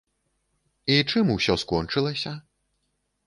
І чым усё скончылася?